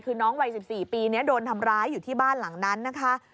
คือน้องวัย๑๔ปีนี้โดนทำร้ายอยู่ที่บ้านหลังนั้นนะคะ